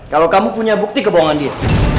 kalau kamu punya bukti kebohongan dia